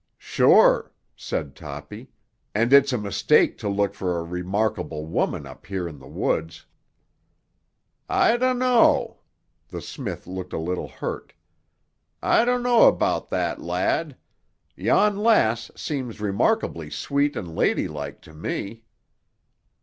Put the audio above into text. "Sure," said Toppy, "and it's a mistake to look for a remarkable woman up here in the woods." "I dunno." The smith looked a little hurt. "I dunno about that, lad. Yon lass seems remarkably sweet and ladylike to me."